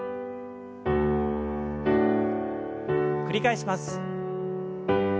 繰り返します。